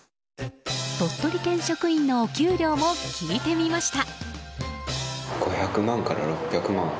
鳥取県職員のお給料も聞いてみました。